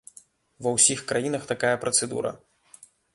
Ва ўсіх краінах такая працэдура.